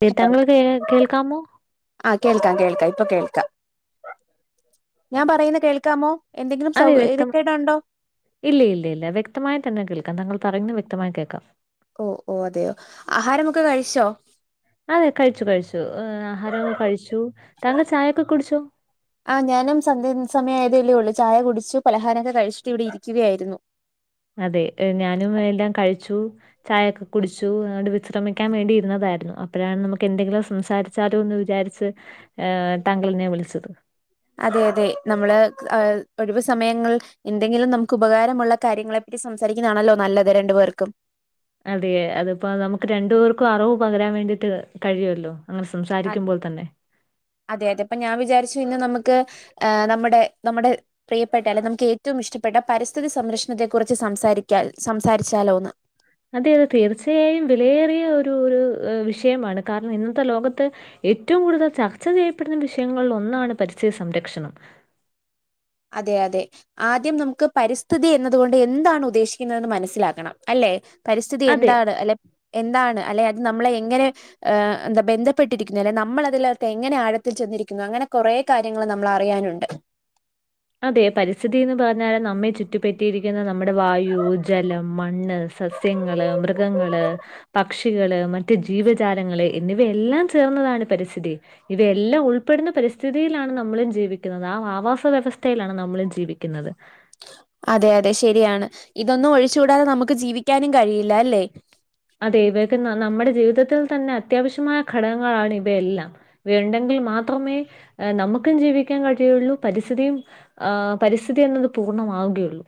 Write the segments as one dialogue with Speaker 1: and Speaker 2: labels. Speaker 1: [unintelligible] എതങ്ങ ള്കേൾക്കാമോ?
Speaker 2: ആഹ് കേൾക്കാം കേൾക്കാം ഇപ്പൊ കേൾക്കാം ഞാൻ പറയുന്ന കേൾക്കാമോ എന്തെങ്കിലും
Speaker 1: അതെ വ്യക്തം
Speaker 2: സൗകര്യക ട് ഉണ്ടോ
Speaker 1: ഇല്ല ഇല്ല ഇല്ല വ്യക്തമായി തന്നെ കേൾക്കാം തങ്കൾ പറയുന്നു വ്യക്തമായി കേൾക്കാം
Speaker 2: ഓ ഓ അതെയോ? ആഹാരമൊക്കെ കഴിച്ചോ?
Speaker 1: അതെ കഴിച്ചു കഴിച്ചു ആഹാരമൊക്കെ കഴിച്ചു താങ്കൾ ചായൊക്കെ കുടിച്ചോ
Speaker 2: ആ ഞാനുംസന്ധ്യസമയായ തല്ലെ ഉള്ളൂ ചായ കുടിച്ചു പലഹാരൊക്കെ കഴിച്ചിട്ട് ഇവിടെ ഇരിക്കുകയായിരുന്നു.
Speaker 1: അതെ ഞാനും എല്ലാം കഴിച്ചു. ചായെക്കെ കുടിച്ചു അതുകൊണ്ട് വിശ്രമിക്കാൻ വേണ്ടിയിരുന്നതായിരുന്നു അപ്പഴാണ് നമുക്ക് എന്തെങ്കിലും സംസാരി ച്ചാലോന്ന് വിചാരിച്ച് ഹ താങ്കൾനെ വിളിച്ചത്.
Speaker 2: അതെ അതെ നമ്മള് അ ഒഴിവ് സമയങ്ങൾ. എന്തെങ്കിലും നമുക്ക് ഉപകാരമുള്ള കാര്യങ്ങളെ പറ്റി സംസാരിക്കുന്നതാണല്ലോ നല്ലത് രണ്ടു പേർക്കും.
Speaker 1: അതെ അത്പ്പ നമുക്ക് രണ്ടു പേർക്കും അറിവ് പകരാൻ വേണ്ടിട്ട് കഴിയൊല്ലോ? അങ്ങനെ സംസാരിക്കുമ്പോൾ തന്നെ.
Speaker 2: അതെ അതെ പ്പ ഞാൻ വിചാരിച്ചു ഇന്ന് നമ്മുക്ക് നമ്മുടെ നമ്മുടെ പ്രിയപ്പെട്ടല്ലെ നമുക്ക് ഏറ്റവും ഇഷ്ടപ്പെട്ട പരിസ്ഥിതി സംരക്ഷണത്തെ കുറിച്ച് സംസാരിക്കാൽ സംസാരിച്ചാലോന്ന്?
Speaker 1: അതെയത് തീർച്ചയായും വിലയേറിയ ഒരു ഒരു വിഷയമാണ്. കാരണം ഇന്നത്തെ ലോകത്ത് ഏറ്റവും കൂടുതൽ ചർച്ച ചെയ്യപ്പെടുന്ന വിഷയങ്ങളിലൊന്നാണ് പരിസ്ഥതി സംരക്ഷണം.
Speaker 2: അതെ അതെ ആദ്യം നമ്മുക്ക് പരിസ്ഥിതി എന്നതുകൊണ്ട് എന്താണ് ഉദ്ദേശിക്കുന്നതെന്ന് മനസ്സിലാക്കണം. അല്ലെ?
Speaker 1: അതെ,
Speaker 2: പരിസ്ഥിതിയെന്താണ് അല്ലെ എന്താണ് അല്ലെ അത് നമ്മളെ എങ്ങനെ ഏഹ് എന്ത ബന്ധപ്പെട്ടിരിക്കുന്നു അല്ലെ നമ്മൾ അതിലകത്ത് എങ്ങനെ ആഴത്തിൽ ചെന്നിരിക്കുന്നു അങ്ങനെ കൊറേ കാര്യങ്ങള് നമ്മളറിയാനുണ്ട്.
Speaker 1: അതെ പരിസ്ഥിതിന്ന് പറഞ്ഞാല് നമ്മെ ചുറ്റുപറ്റിയിരിക്കുന്ന നമ്മുടെ വായു, ജലം, മണ്ണ്, സസ്യ സ്യങ്ങള്, മൃഗങ്ങള് പക്ഷികള്, മറ്റ് ജീവജാലങ്ങള് എന്നിവയെല്ലാം ചേർന്നതാണ് പരിസ്ഥിതി. ഇത്എല്ലാം ഉൾപ്പെടുന്ന പരിസ്ഥിതിയിലാണ് നമ്മളും ജീവിക്കുന്നത്. ആ ആവാസ വ്യവസ്ഥ തയിലാണ് നമ്മളും ജീവിക്കുന്നത്.
Speaker 2: അതെ അതെ ശരിയാണ് ഇതൊന്നും ഒഴിച്ചുകൂടാതെ നമുക്ക് ജീവിക്കാനും കഴിയില്ല അല്ലേ?
Speaker 1: അതെ ഇവയ്ക്ക് ന നമ്മുടെ ജീവിതത്തിൽ തന്നെ അത്യാവശ്യമായ ഘടകങ്ങളാണ് ഇവയെല്ലാം. വേണ്ടെങ്കിൽ മാത്രമേ എ നമുക്കും ജീവിക്കാൻ കഴിയുള്ളൂ പരിസ്ഥിതിയു ആഹ് പരിസ്ഥിതിയെന്നത് പൂർണ്ണമാവുകയുള്ളൂ.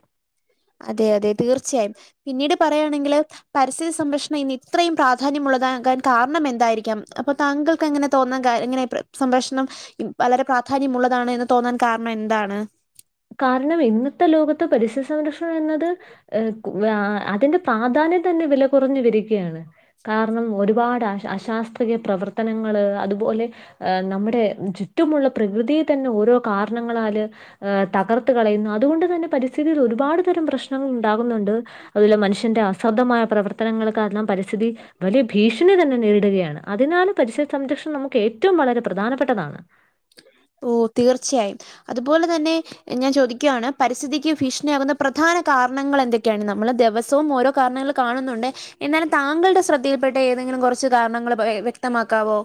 Speaker 2: അതെ അതെ തീർച്ചയായും പിന്നീട് പറയാണെങ്കില് - പരിസ്ഥിതി സംരക്ഷണം ഇന്ന് ഇത്രയും പ്രാധാന്യമുള്ളതാകാൻ കാരണം എന്തായിരിക്കാം? അപ്പൊ താങ്കൾ ക്ക്ങ്ങനെ തോന്നാൻ കാ എങ്ങനെ പ്ര സംരക്ഷണം വളര പ്രാധാന്യമുള്ളതാണ് എന്ന് തോന്നാൻ കാരണം എന്താണ്?
Speaker 1: കാരണം ഇന്നത്തെ ലോകത്ത് പരിസ്ഥിതി സംരക്ഷണം എന്നത് ഏ കു രാ അതിന്റെ പ്രാധാന്യം തന്നെ വില കുറഞ്ഞു വരികയാണ്. കാരണം ഒരുപാട് അശ അശാസ്ത്രീയ പ്രവർത്തനങ്ങള് അതുപോലെ ഏഹ് നമ്മടെ ചുറ്റുമുള്ള പ്രകൃതിയെ തന്നെ ഓരോ കാരണങ്ങളാല് ഏഹ് തകർത്ത് കളയുന്നു അതുകൊണ്ട് തന്നെ പരിസ്ഥിയിൽ ഒരുപാട് തരം പ്രശ് ഉണ്ടാകുന്നുണ്ട് അതില് മനുഷ്യന്റെ അസർദമായ പ്രവർ ത്തനങ്ങള് കാരണം പരിസ്ഥിതി വലിയ ഭീഷണി തന്നെ നേരിടുകയാണ് അതിനാല് പരിസ്ഥിതി സംരക്ഷണം നമുക്ക് ഏറ്റ റ്റും വളരെ പ്രധാനപ്പെട്ടതാണ്.
Speaker 2: ഓ തീർച്ചയായും അതുപോലെ തന്നെ ഞാൻ ചോദിക്ക്യാണ് പരിസ്ഥിതിക്ക് ഭീഷണിയാകുന്ന പ്രധാന കാരണങ്ങൾ എന്തൊക്കെയാണ്? നമ്മള് ദെവസവും ഓരോ കാരണങ്ങൾ കാണുന്നുണ്ട്. എന്നാലും താങ്കളുടെ ശ്രദ്ധയിൽപ്പെട്ട ഏതെങ്കിലും കുറച്ച് കാരണങ്ങൾ പ എ വ്യക്തമാക്കാവോ?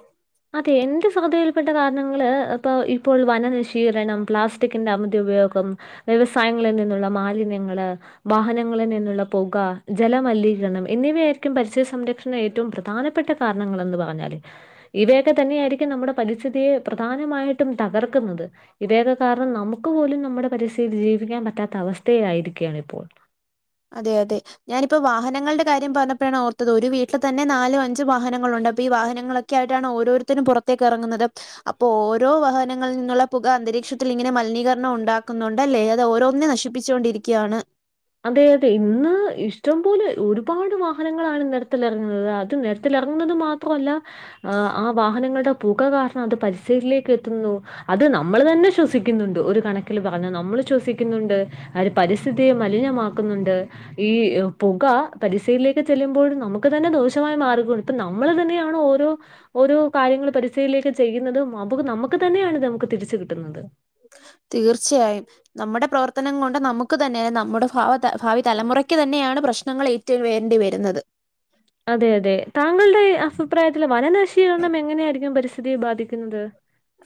Speaker 1: അതെ എന്റെ ശ്രദ്ധയിൽപ്പെട്ട കാരണങ്ങള് ഇപ്പം ഇപ്പോൾ വനനശീരണം, പ്ലാസ്റ്റിക്കിന്റെ അമിത ഉപയോഗം വ്യവസായങ്ങളിൽ നിന്നുള്ള മാലിന്യങ്ങള് വാഹനങ്ങളിൽ നിന്നുള്ള പൊക, ജലമലിനീകരണം, എന്നിവയായിരിക്കും പരിസ്ഥിതി സംരക്ഷണം ഏറ്റവും പ്രധാനപ്പെട്ട കാരണങ്ങളെന്ന് പറഞ്ഞാല്. ഇവയൊക്കെ തന്നെയായിരിക്കും നമ്മുടെ പരിസ്ഥിതിയെ പ്രധാനമായിട്ടും തകർക്കുന്നത്. ഇവയൊക്ക കാരണം നമുക്ക് പോലും നമ്മുടെ പരിസ്ഥിതിയിൽ ജീവിക്കാൻ പറ്റാത്ത അവസ്ഥയേ ആയിരിക്കയാണ് ഇപ്പോൾ.
Speaker 2: അതെ അതെ ഞാനിപ്പോ വാഹനങ്ങൾടെ കാര്യം പറഞ്ഞപ്പഴാണ് ഓർത്തത് ഒരു വീട്ട് തന്നെ നാലും അഞ്ചും വാഹനങ്ങളുണ്ട്. അപ്പ ഈ വാഹനങ്ങളൊക്കെ ക്കെ ആയിട്ടാണ് ഓരോരുത്തരും പൊറത്തേക്ക് എറങ്ങുന്നത്. അപ്പൊ ഓരോ വഹനങ്ങളിൽ നിന്നുള്ള പുക അന്തരീക്ഷത്തിൽ ഇങ്ങനെ മലിനീകരണം ഉണ്ടാക്കുന്നുണ്ടല്ലേ? അത് ഓരോന്നിനെ നശിപ്പ പ്പിച്ചോണ്ടിരിക്ക്യാണ്.
Speaker 1: അതെ അതെ ഇന്ന് ഇഷ്ടം പോലെ ഒരുപാട് വാഹനങ്ങളാണ് നെര് ത്തെലെറങ്ങുന്നത്. അത് നെര്ത്തിലിറങ്ങുന്നത് മാ ത്രല്ല ആ ആ വാഹനങ്ങളുടെ പുക കാരണം അത് പരിസ്ഥിതിയിലേക്ക് എത്തുന്നു. അത് നമ്മൾ തന്നെ ശ്വസിക്കുന്നുണ്ട്. ഒരു കണക്കിൽ പറഞ്ഞ നമ്മൾ ശ്വസിക്കുന്നുണ്ട്. അത് പരിസ്ഥിതിയും മലിനമാക്കുന്നുണ്ട് ഈ പുക പരിസ്ഥിതിയിലേക്ക് ചെല്ലുമ്പോഴും നമു നമുക്കു തന്നെ ദോഷമായ മാർഗമാണ് ഇപ്പൊ നമ്മൾ തന്നെയാണ് ഓരോ ഓരോ കാര്യങ്ങൾ പരിസ്ഥിയിലേക്ക് ചെയ്യുന്നതും, അപ്പൊ നമുക്ക് തന്നെയാണിത് നമുക്ക് തിരിച്ചു കിട്ടുന്നത്.
Speaker 2: തീർച്ചയായും നമ്മുടെ പ്രവർത്തനം കൊണ്ട് നമുക്ക് തന്നെ നമ്മുടെ ഭാ ഭാവി തലമുറക്ക് തന്നെയാണ് പ്രശ്നങ്ങൾ ഏ വേണ്ടി വരുന്നത്
Speaker 1: അതെ അതെ താങ്കളുടെ അഭിപ്രായത്തില് വനനശീകരണം എങ്ങനെയായിരിക്കും പരിസ്ഥിതിയെ ബാധിക്കുന്നത്.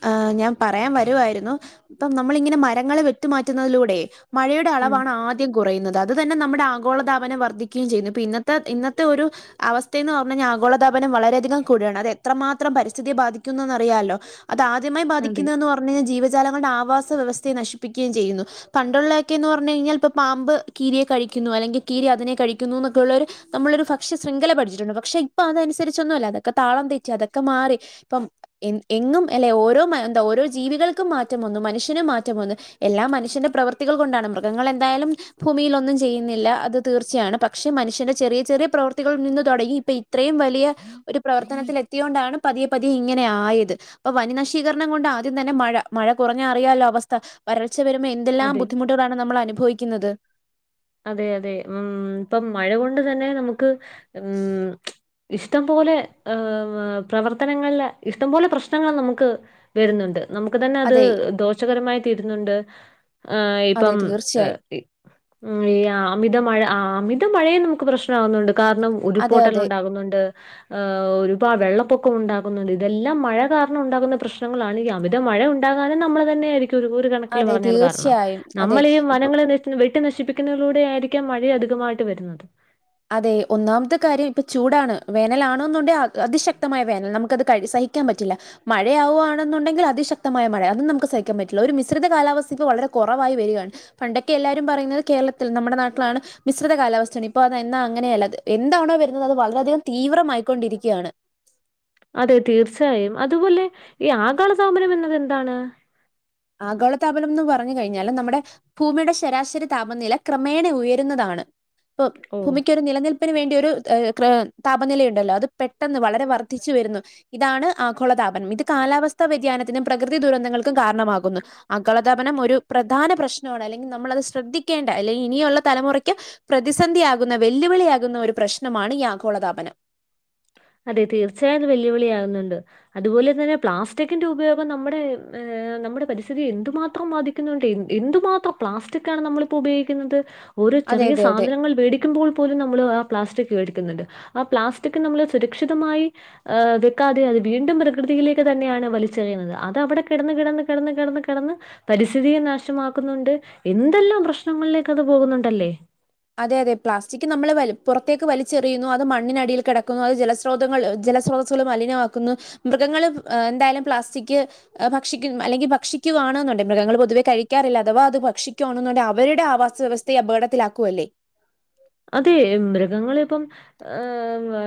Speaker 2: ആ ഞാൻ പറയാൻ വരുവായിരുന്നു. ഇപ്പം നമ്മളിങ്ങനെ മരങ്ങള് വെട്ടിമാറ്റുന്നതിലൂടെ മഴയുടെ
Speaker 1: ഉം.
Speaker 2: അളവാണ് ആദ്യ കുറയുന്നത് അത് തന്നെ നമ്മുടെ കുറയുന്നത് അതു തന്നെ ആഗോളതാപനം വർദ്ധിക്കുകയും ചെയ്യുന്നു. പ്പ ഇന്നത്തെ ഇന്നത്തെ ഒരു അവസ്ഥയെ എന്ന് പറഞ്ഞാ ആഗോളതാപനം വളരെയധികം കൂടിയാണ്. അത് എത്രമാത്രം പരിസ്ഥിതിയെ ബാധിക്കുന്നതെന്നറിയാലോ. അതാദ്യമായി
Speaker 1: അതെ,
Speaker 2: ബാധിക്കുന്നതെന്ന് പറഞ് കഴിഞ്ഞാ ജീവജാലങ്ങളുടെ ആവാസ വ്യവസ്ഥയെ നശിപ്പിക്കുകയും ചെയ്യുന്നു. പണ്ടുള്ളതൊക്കെന്ന് പറഞ്ഞു കഴിഞ്ഞാൽ ഇപ്പൊ പാമ്പ് കീരിയെ കഴിക്കുന്നു അല്ലെങ്കിൽ കീരി അതിനെ കഴിക്കുന്നുന്നൊക്കെള്ളോരു നമ്മളൊരു ഭക്ഷ്യശ്യംഖല പഠിച്ചിട്ടുണ്ട്. പക്ഷെ ഇപ്പൊ അതനുസരിച്ചൊന്നും അല്ല അതൊക്കെ താളം തെറ്റി അതൊക്കെ മാറി. ഇപ്പം എ എങ്ങും അല്ലെ ഓരോ എന്താ ഓരോ ജീവികൾക്കും മാറ്റം വന്നു മനുഷ്യനും മാറ്റം വന്നു. എല്ലാം മനുഷ്യന്റെ പ്രവൃത്തികൾ കൊണ്ടാണ് മൃഗങ്ങൾ എന്തായാലും ഭൂമിയിൽ ഒന്നും ചെയ്യുന്നില്ല അത് തീർച്ചയാണ് പക്ഷെ മനുഷ്യന്റെ ചെറിയ ചെറിയ പ്രവൃത്തികളിൽ നിന്ന് തുടങ്ങി ഇപ്പൊ ഈ ഇത്രയും വലിയ ഒരു പ്രവർത്തനത്തിൽ എത്തിയ കൊണ്ടാണ് പതിയെ പതിയെ ഇങ്ങനെ ആയത്. പ്പൊ വനി നശീകരണം കൊണ്ട് ആദ്യം തന്നെ മഴ, മഴ കുറഞ്ഞ അറിയാലോ അവസ്ഥ, വരൾച്ച വരുമ്പോ എന്തെല്ലാം
Speaker 1: അതെ,
Speaker 2: ബുദ്ധിമുട്ട് നമ്മൾ അനുഭവിക്കുന്നത്
Speaker 1: അതെ അതെ ഉം ഇപ്പം മഴ കൊണ്ട് തന്നെ നമുക്ക് ഉം ഇഷ്ടംപോലെ പ്രവർത്തനങ്ങളില് ഇഷ്ടംപോലെ പ്രശ്നങ്ങൾ നമുക്ക് വരുന്നുണ്ട്. നമുക്ക് തന്നെ അത്
Speaker 2: അതെ.
Speaker 1: ദോഷകരമായി തീരുന്നുണ്ട് ആ
Speaker 2: അതെ
Speaker 1: ഇപ്പം.
Speaker 2: തീർച്ചയായും.
Speaker 1: ഉം അമിതമഴ അമിത മഴയെ നമുക്ക് പ്രശ്നം ആവുന്നുണ്ട് കാരണം ഉരുൾ
Speaker 2: അതെ
Speaker 1: പൊട്ടൽ
Speaker 2: അതെ.
Speaker 1: ഉണ്ടാകുന്നുണ്ട്. ഒരുപാട് വെള്ളപ്പൊക്കം ഉണ്ടാകുന്നത് ഇതെല്ലാം മഴ കാരണം ഉണ്ടാകുന്ന പ്രശ്നങ്ങളാണ്. മഴ ഉണ്ടാകാനും നമ്മൾ തന്നെ ആയിരിക്കും ഒരു കണക്കിൽ
Speaker 2: അതെ
Speaker 1: പറഞ്ഞാൽ കാരണം,
Speaker 2: തീർച്ചയായും. അതെ.
Speaker 1: നമ്മള് ഈ
Speaker 2: ഇപ്പൊ
Speaker 1: വനങ്ങള് ന വെട്ടി നശിപ്പിക്കുന്നതിലൂടെ ആയിരിക്കാം മഴ അധികമായിട്ട് വരുന്നത്
Speaker 2: അതെ ഒന്നാമത്തെ കാര്യം ഇപ്പൊ ചൂടാണ്. വേനലാണോന്നുണ്ടേ അതിശക്തമായ വേനൽ നമുക്കത് സഹിക്കാൻ പറ്റില്ല. മഴയാവുകാണെന്നുണ്ടെങ്കിൽ അതിശക്തമായ മഴ അതും നമുക്ക് സഹിക്കാൻ പറ്റില്ല. ഒരു മിശ്രിത കാലാവസ്ഥ ഇപ്പൊ വളരെ കുറവായി വരികയാണ്. പണ്ടൊക്കെ എല്ലാവരും പറയുന്നത് കേരളത്തിൽ നമ്മുടെ നാട്ടിലാണ് മിശ്രിത കാലാവസ്ഥാണ് ഇപ്പോ എന്നാ അങ്ങനെയല്ല എന്താണോ വരുന്നത് അത് വളരെ അധികം തീവ്രമായിക്കൊണ്ടിരിക്കുകയാണ്.
Speaker 1: അതെ തീർച്ചയായും അതുപോലെ ഈ ആഗോളതാപനം എന്നത് എന്താണ്
Speaker 2: ആഗോളതാപനം ന്ന് പറഞ്ഞു കഴിഞ്ഞാല് നമ്മടെ ഭൂമിയുടെ ശരാശരി താപനില ക്രമേണ ഉയരുന്നതാണ് പ്പൊ
Speaker 1: ഓ
Speaker 2: ഭൂമിക്ക് നിലനിൽപ്പിന് വേണ്ടി ഒരു താപനിലയുണ്ടല്ലോ അത് പെട്ടെന്ന് വളരെ വർദ്ധിച്ചു വരുന്നു. ഇതാണ് ആഗോളതാപനം ഇത് കാലാവസ്ഥാ വ്യതിയാനത്തിനും പ്രകൃതി ദുരന്തങ്ങൾക്കും കാരണമാകും ആഗോളതാപനം ഒരു പ്രധാന പ്രശ്നമാണ് അല്ലെങ്കിൽ നമ്മളത് ശ്രദ്ധിക്കേണ്ട അല്ലെങ്കിൽ ഇനിയുള്ള തലമുറയ്ക്ക് പ്രതിസന്ധിയാകുന്ന വെല്ലുവിളിയാകുന്ന ഒരു പ്രശ്നമാണ് ഈ ആഗോളതാപനം.
Speaker 1: അതെ തീർച്ചയായും വെല്ലുവിളിയാകുന്നുണ്ട്. അതുപോലെ തന്നെ പ്ലാസ്റ്റിക്കിന്റെ ഉപയോഗം നമ്മടെ ഏ നമ്മടെ പരിസ്ഥിതിയെ എന്തുമാത്രം ബാധി- എന്തുമാത്രം പ്ലാസ്റ്റിക്കാ ണുനമ്മളിപ്പോ ഉപയോഗിക്കുന്നത്.
Speaker 2: അതെ
Speaker 1: ഓരോചെറിയ
Speaker 2: അതെ അതെ
Speaker 1: സാധനങ്ങൾ മേടിക്കുമ്പോൾപോലും നമ്മളു ആ, പ്ലാസ്റ്റിക്കു മേടിക്കുന്നുണ്ട്. ആ, പ്ലാസ്റ്റിക്കുനമ്മള്.. സുരക്ഷിതമായി ഏ.. വെക്കാതെയത് വീണ്ടും പ്രകൃതിയിലേക്കു തന്നെയാണു വലിച്ചെറിയുന്നത് അതവിടെ കിടന്നു, കിടന്നു, കിടന്നുകിടന്ന്.. പരിസ്ഥിതിയെ നാശമാക്കുന്നുണ്ട്. എന്തെല്ലാം പ്രശ്നങ്ങളിലേക്കതുപോകുന്നുണ്ടല്ലേ
Speaker 2: അതെ അതെ പ്ലാസ്റ്റിക്ക് നമ്മള് വല് പുറത്തേക്ക് വലിച്ചെറിയുന്നു അത് മണ്ണിനടിയിൽ കെടക്കുന്നു അത് ജലസ് സ്രോതങ്ങൾ ജലസ്രോതസുകള് മലിനമാക്കുന്നു മൃഗങ്ങള് ഏ എന്തായാലും പ്ലാസ്റ്റിക്ക് ഭക്ഷിക്കും അല്ലെങ്കി ഭക്ഷിക്കുകയാണ് എന്നുണ്ടെ മൃഗങ്ങള് പൊതുവെ കഴിക്കാറില്ല അഥവാ അത് ഭക്ഷിക്കുകയാണെന്നുണ്ടെ അവരുടെ ആവാസ വ്യവസ്ഥ ത്തെ അപകടത്തിലാക്കുവല്ലേ
Speaker 1: അതെ മൃഗങ്ങളിപ്പം ഏ ഏ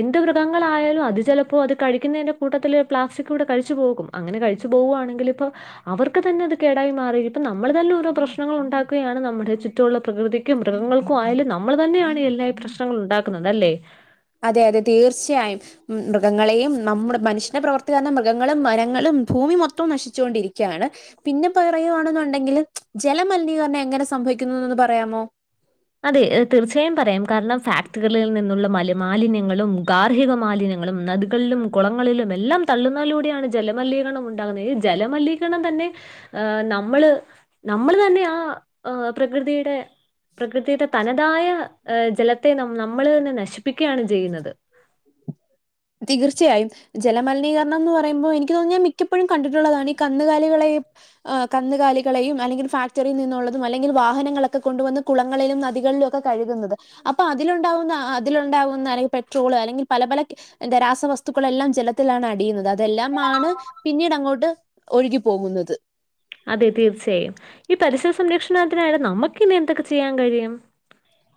Speaker 1: എന്ത് മൃഗങ്ങളായാലും അത് ചെലപ്പോ അത് കഴിക്കുന്നതിന്റെ കൂട്ടത്തില് പ്ലാസ്റ്റിക് കൂടെ കഴിച്ചു പോകത്തില്ലേ. അങ്ങനെ കഴിച്ചു പോവാണെങ്കിലിപ്പോ അവർക്ക് തന്നെ അത് കേടായി മാറീ അപ്പം നമ്മള് തന്നെ ഓരോ പ്രശ്നങ്ങള് ഉണ്ടാക്കുകയാണ് നമ്മുടെ ചുറ്റുള്ള പ്രകൃതിക്കും മൃഗങ്ങൾക്കും ഒക്കെ ആയാലും നമ്മള് തന്നെയാണ് എല്ലായീ പ്രശ്നങ്ങള് ഉണ്ടാക്കുന്നത് അല്ലേ
Speaker 2: അതെയതെ തീർച്ചയായും. മൃഗങ്ങളെയും നമ്മുടെ മനുഷ്യന്റെ പ്രവർത്തി കാരണം മൃഗങ്ങളും മരങ്ങളും ഭൂമി മൊത്തം നശിച്ചോണ്ടിരിക്കയാണ്. പിന്നെ പറയുവാണെന്നുണ്ടെങ്കില് ജലമലിനീകരണം എങ്ങനെ സംഭവിക്കുന്നൊന്ന് പറയാമോ?
Speaker 1: അതെ തീർച്ചയായും പറയാം കാരണം ഫാക്ടറികളിൽ നിന്നുള്ള മല മാലിന്യങ്ങളും ഗാർഹിക മാലിന്യങ്ങളും നദി കളും കൊളങ്ങളിലും എല്ലാം തള്ളുന്നതിലൂടെയാണ് ജലമലിനീകരണം ഉണ്ടാകുന്നത് ഈ ജലമലിനീകരണം തന്നെ ആഹ് നമ്മളുനമ്മളു തന്നെയാ, ആഹ് പ്രകൃതിയുടെ പ്രകൃതിയുടെതനതായ ജലത്തെ നമ്മ, നമ്മ ളുതന്നെ നശിപ്പിക്കുകയാണു ചെയ്യുന്നത്.
Speaker 2: തീർച്ചയായും. ജലമലിനീകരണം എന്ന് പറയുമ്പോ എനിക്ക് തോന്നുന്നു മിക്കപ്പോഴും കണ്ടിട്ടുള്ളതാണ് ഈ കന്നുകാലികളെ ഏഹ് കന്നുകാലികളെയുമല്ലെങ്കിൽ ഫാക്ടറിയിൽ നിന്നുള്ളതുമല്ലെങ്കിൽ വാഹനങ്ങളൊക്കെ കൊണ്ടുവന്ന് കുളങ്ങളിലുംനദികളിലുമൊക്കെ കഴുകുന്നത്.. അപ്പൊ അതിലുണ്ടാവുന്ന അതിലുണ്ടാവുന്ന അല്ലെങ്കില് പെട്രോള് അല്ലെങ്കിൽ പല പല എന്താ രാസവസ്തുക്കളെല്ലാം ജലത്തിലാണ് അടിയുന്നത് അതെല്ലാമാണ് പിന്നീടങ്ങോട്ട് ഒഴുകിപോകുന്നത്
Speaker 1: അതെ, തീർച്ചയായും. ഈ പരിസ്ഥിതി സംരക്ഷണത്തിനു നേരെ നമുക്കിനിയെന്തൊക്കെ ചെയ്യാൻ കഴിയും.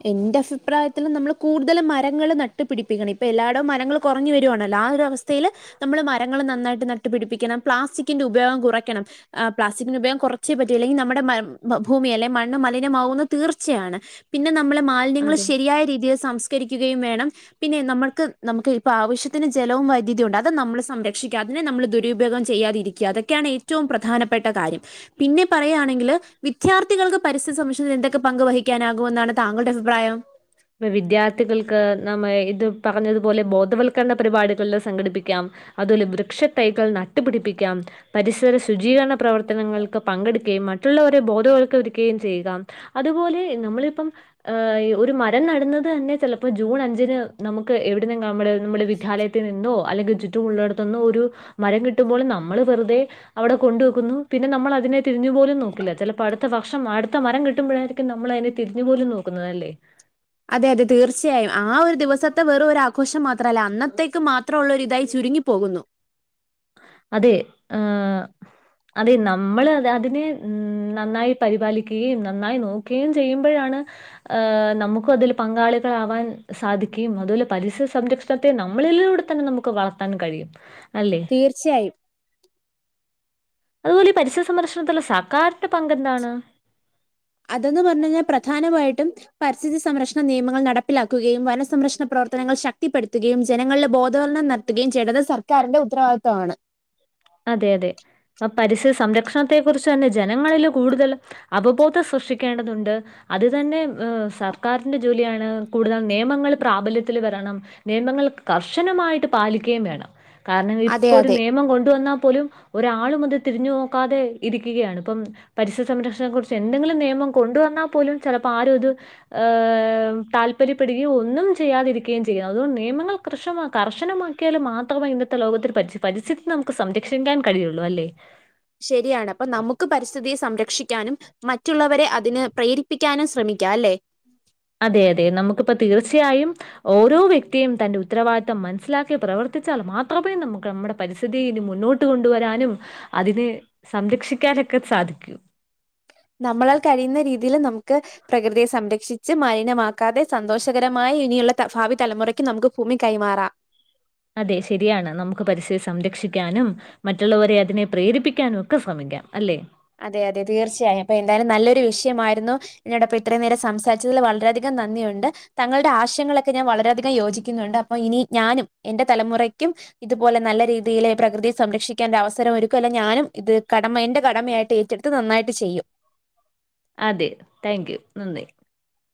Speaker 2: എന്റെ അഭിപ്രായത്തിൽ നമ്മളുകൂടുതലും മരങ്ങൾ നട്ടുപിടിപ്പിക്കണം. ഇപ്പൊ എല്ലായിടവുംമരങ്ങൾ കൊറഞ്ഞു വരാണല്ലോ ആഹ് ഒരവസ്ഥയില് നമ്മള് മരങ്ങള് നന്നായിട്ട് നട്ടുപിടിപ്പിക്കണം പ്ലാസ്റ്റിക്കിന്റെ ഉപയോഗം കുറയ്ക്കണം ആ, പ്ലാസ്റ്റിക്കിന്റെ ഉപയോഗം കുറച്ചേ പറ്റൂ. ഇല്ലെങ്കിൽ നമ്മുടെ മ.. ഭൂമി, അല്ലേ മണ്ണു മലിനമാകുമെന്നുതീർച്ചയാണ് പിന്നെ നമ്മള് മാൽന്യങ്ങള്
Speaker 1: അതെ
Speaker 2: ശരിയായ രീതിയിൽ സംസ്കരിക്കുകയും വേണം പിന്നെ നമ്മൾക്ക് നമുക്ക് ഇപ്പ ആവശ്യത്തിന് ജലവും വൈദ്യുതിയും ഉണ്ട് അത് നമ്മള് സംരക്ഷിക്ക അതിനെ നമ്മള് ദുരുപയോഗം ചെയ്യാതിരി- അതൊക്കെയാണേറ്റവും പ്രധാനപ്പെട്ട കാര്യം. പിന്നെ പറയാണെങ്കില് വിദ്യാർത്ഥികൾക്ക് പരിസ്ഥി സംഷി എന്തൊക്കെ പങ്ക് വഹിക്കാനാകും എന്തു വന്നാണ് താങ്കളുടെ അഭിപ്രായം
Speaker 1: ഇപ്പവിദ്യാർത്ഥികൾക്കു നമ്മയിതു പറഞ്ഞതുപോലെ ബോധവൽക്കരണ പരിപാടികളെ സംഘടിപ്പിക്കാം. അതുപോലെ വൃക്ഷത്തൈകൾ നട്ടുപിടിപ്പിക്കാം... പരിസ്ഥിതിയുടെ ശുചീകരണ പ്രവർത്തനങ്ങൾക്കു പങ്കെടുക്കുകയും, മറ്റുള്ളവരെ ബോധവൽക്കരിക്കുകയും, ചെയ്യുക അതുപോലെനമ്മളിപ്പം ഏഹ്. ഒരു മര മരം നടന്നുന്നതുതന്നെ ചിലപ്പോൾ ജൂണഞ്ചിന് നമുക്കെവിടുന്നെങ്കിലും നമ്മുടെ, നമ്മുടെ വിദ്യാലയത്തിൽ നിന്നോ.. അല്ലെങ്കിൽ ചുറ്റുമുള്ളിടത്തന്ന് ഒരു മരം കിട്ടുമ്പോൾ നമ്മള് വെറുതെ അവിടെ കൊണ്ടുവെക്കുന്നു, പിന്നെനമ്മളതിനെ തിരിഞ്ഞുപോലും നോക്കില്ല. ചിലപ്പോ അടുത്തവർഷം അടുത്ത മരം കിട്ടുമ്പോളായിരി ക്കും. ഇപ്പൊ നമ്മള് അതില് തിരിഞ്ഞു പോലും നോക്കുന്നതല്ലേ
Speaker 2: അതെ അതെ തീർച്ചയായും ആ ഒരു ദിവസത്തെ വെറും ഒരു ആഘോഷം മാത്രല്ല അന്നത്തേക്ക് മാത്രൊള്ളൊരു ഇതായി ചുരുങ്ങി പോകുന്നു
Speaker 1: അതെ ആഹ് അതെ നമ്മള് അതിനെ ഉം നന്നായി പരിപാലിക്കുകയും നന്നായി നോക്കുകയും ചെയ്യുമ്പോഴാണ് ആഹ് നമുക്കുതിൽ പങ്കാളികളാവാൻ സാധിക്കുകയും, അതുപോലെ പരിസ്ഥിതി സംരക്ഷ സത്യം. നമ്മളിലൂടെ തന്നെ നമുക്കുവളർത്താൻ കഴിയുമല്ലേ
Speaker 2: തീർച്ചയായും
Speaker 1: അതുപോലെയീപരിസ്ഥിതി സംരക്ഷണത്തിലുള്ള സർക്കാരിന്റെ പങ്കെന്താണ്?
Speaker 2: അതെന്ന് പറഞ്ഞഴിഞ്ഞാ പ്രധാനമായിട്ടും പര്സ്ഥിതി സംരക്ഷണ നിയമങ്ങൾ നടപ്പിലാക്കുകയും വനസംരക്ഷ്ണ പ്രവർത്തനങ്ങൾ ശക്തിപ്പെടുത്തുകയും ജനങ്ങളിലെ ബോധവൽനം നട എത്തുകയും ചെയ്യേണ്ടത് സർക്കാരിന്റെ ഉത്തരവാദിത്തവാണ്.
Speaker 1: അതെയതെ ആഹ് പരിസ്ഥിതി സംരക്ഷണത്തെക്കുറിച്ചുതന്നെ ജനങ്ങളിലുകൂടുതല് അവബോധം സൃക്ഷിക്കേണ്ടതുണ്ട്. അതുതന്നെ സർക്കാരിന്റെ ജോലിയാണ്, കൂടുതൽ നിയമങ്ങൾ പ്രാബല്യത്തിൽ വരണം.. നിയമങ്ങൾ കർശനമായിട്ടുപാലിക്കുകയുംവേണം. കാരണമി
Speaker 2: അതെ
Speaker 1: പ്പോമൊരു
Speaker 2: അതെ
Speaker 1: നിയമം കൊണ്ടു [unintelligible] വന്നാ പോലും ഒരാളും അത് തിരിഞ്ഞു നോക്കാതെ ഇരിക്കുകയാണ് ഇപ്പം പരിസ്ഥിതി സംരക്ഷണത്തെക്കുറിച്ചുഎന്തെങ്കിലും നിയമം കൊണ്ടുവന്നാൽ പോലും ചിലപ്പോ ആരുമത് ഏ താല്പര്യപ്പെടുകയും ഒന്നും ചെയ്യാതിരിക്കുകയും ചെയ്യുന്നു അതോണ്ട് നിയമങ്ങള് കർശനം, കർശനമാക്കിയാൽ മാത്രമേ ഇന്നത്തെ ലോകത്തിൽ, പരി.. പരിസ്ഥിതി നമുക്ക് സംരക്ഷിക്കാൻ കഴിയുള്ളു അല്ലേ
Speaker 2: ശരിയാണ് അപ്പൊ നമുക്ക് പരിസ്ഥിതിയെ സംരക്ഷിക്കാനും മറ്റുള്ളവരെയതിനുപ്രേരിപ്പിക്കാനും ശ്രമിക്കാമല്ലേ
Speaker 1: അതെയതെ, നമുക്കിപ്പംതീർച്ചയായും ഓരോവ്യക്തിയും തന്റെ ഉത്തരവാദിത്വം മനസ്സിലാക്കി പ്രവർത്തിച്ചാൽമാത്രമേ നമുക്കുനമ്മുടെ പരിസ്ഥിതി ഇനി മുന്നോട്ട് കൊണ്ടുവരാനും അതിനെ സംരക്ഷിക്കാനൊക്കെ സാധിക്കും
Speaker 2: നമ്മളാൽക്കഴിയുന്ന രീതിയിൽ നമുക്ക്.. പ്രകൃതിയെസംരക്ഷിച്ചു മലിനമാക്കാതെ സന്തോഷകരമായിനിയുള്ള ഭാവിതലമുറയ്ക്കു നമുക്കുഭൂമി കൈമാറാം.
Speaker 1: അതെ ശരിയാണ് നമുക്ക് പരിസ്ഥിതി സംരക്ഷിക്കാനും മറ്റുള്ളവരെ അതിനെ പ്രേരിപ്പിക്കാൻ ഒക്കെ ശ്രമിക്കാം അല്ലെ
Speaker 2: അതെയതെ തീർച്ചയായും. അപ്പൊ എന്തായാലും നല്ലൊരു വിഷയമായിരുന്നു. എന്നോടൊപ്പം ഇത്രയും നേരം സംസാരിച്ചതില് വളരെയധികം നന്ദിയുണ്ട്. തങ്ങളുടെ ആശയങ്ങളൊക്കെ ഞാൻ വളരെയധികം യോജിക്കുന്നുണ്ട്. അപ്പൊയിനി ഞാനുമെന്റെ തലമുറയ്ക്കും. ഇതുപോലെ നല്ല രീതിയിലുപ്രകൃതി സംരക്ഷിക്കേണ്ട അവസരം ഒരുക്കുമല്ല ഞാനും ഇതുകടമ, എന്റെ കടമയായിട്ട് ഏറ്റെടുത്തുനന്നായിട്ടുചെയ്യും.
Speaker 1: അതെ തയ്‌കൂ, നന്ദി..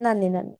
Speaker 2: നന്ദി നന്ദി